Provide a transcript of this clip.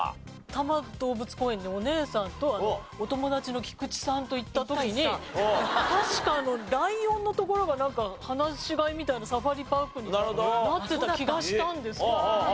多摩動物公園にお姉さんとお友達のキクチさんと行った時に確かライオンの所がなんか放し飼いみたいなサファリパークになってた気がしたんですけど。